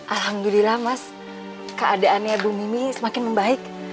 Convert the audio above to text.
alhamdulillah mas keadaan ibu mimi makin membaik